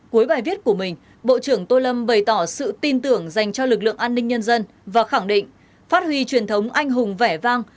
cuối bài viết của mình bộ trưởng tô lâm bày tỏ sự tin tưởng dành cho lực lượng an ninh nhân dân và khẳng định phát huy truyền thống anh hùng vẻ vang